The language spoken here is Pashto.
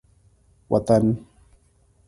وطن